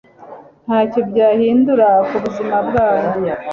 Ntacyo byahindura ku buzima bwabo